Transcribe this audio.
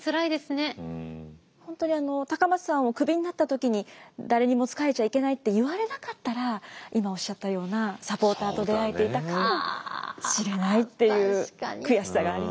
本当に高松藩をクビになった時に誰にも仕えちゃいけないって言われなかったら今おっしゃったようなサポーターと出会えていたかもしれないっていう悔しさがありますよね。